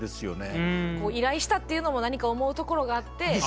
依頼したっていうのも何か思うところがあって。